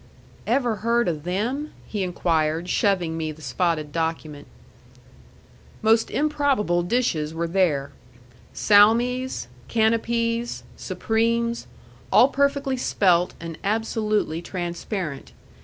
"Ever heard o' them?" he inquired, shoving me the spotted document. Most improbable dishes were there, salmis, canapes, supremes, all perfectly spelt and absolutely transparent.